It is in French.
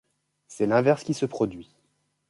C'est l'inverse qui se produit.